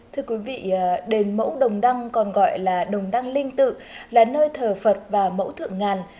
thưa quý vị đền mẫu đồng đăng còn gọi là đồng đăng linh tự là nơi thờ phật và mẫu thượng ngàn